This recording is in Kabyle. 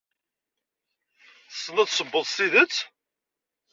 Tessneḍ ad tessewweḍ s tidet.